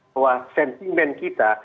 bahwa sentimen kita